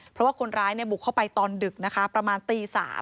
เพราะว่าคนร้ายบุกเข้าไปตอนดึกนะคะประมาณตี๓